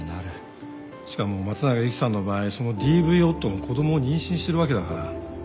しかも松永由貴さんの場合そのＤＶ夫の子供を妊娠してるわけだから。